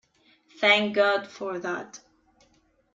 Thank God for that!